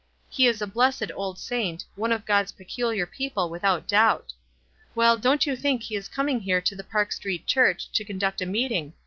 He is a blessed old saint, one of God's pecular people without doubt. Well, don't you think he is coming here to the Park Street Church to conduct a meeting.